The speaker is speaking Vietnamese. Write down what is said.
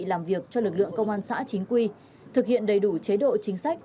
làm việc cho lực lượng công an xã chính quy thực hiện đầy đủ chế độ chính sách